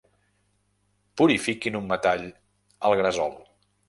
Purifiquin un metall al gresol.